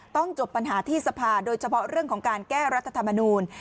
จบปัญหาที่สภาโดยเฉพาะเรื่องของการแก้รัฐธรรมนูล